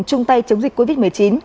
chung tay chống dịch covid một mươi chín